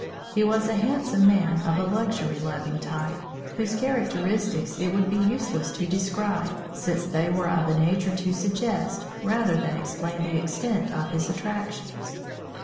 He was a handsome man of the luxury loving type, whose characteristics it would be useless to describe, since they were of a nature to suggest, rather than explain the extent of his attractions.